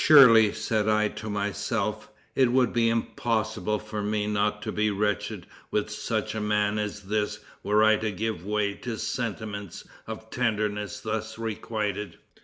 Surely, said I to myself, it would be impossible for me not to be wretched with such a man as this were I to give way to sentiments of tenderness thus requited.